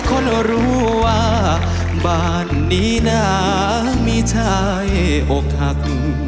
คนรู้ว่าบ้านนี้นะมีชายอกหัก